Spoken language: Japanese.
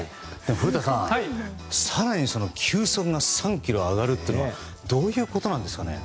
古田さん、更に球速が３キロ上がるってどういうことなんですかね。